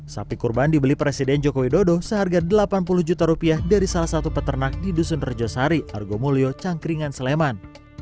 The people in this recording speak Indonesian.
sapi kurban dibeli presiden joko widodo seharga delapan puluh juta rupiah dari salah satu peternak di dusun rejosari argomulyo cangkringan sleman